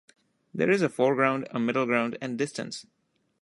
There is a foreground, a middle-ground and distance